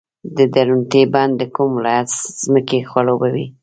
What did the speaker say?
د درونټې بند د کوم ولایت ځمکې خړوبوي؟